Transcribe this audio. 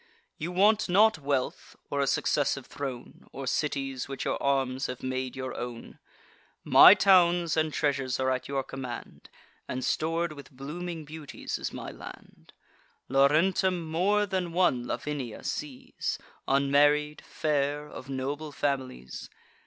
You want not wealth, or a successive throne, Or cities which your arms have made your own: My towns and treasures are at your command, And stor'd with blooming beauties is my land; Laurentum more than one Lavinia sees, Unmarried, fair, of noble families.